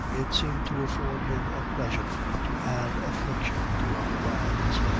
It seemed to afford him a pleasure to "add affliction to our bonds."